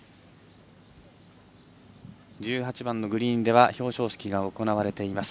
１８番のグリーンでは表彰式が行われています。